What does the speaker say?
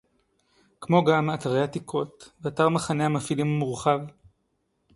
כמו גם אתרי עתיקות ואתר מחנה המפעילים המורחב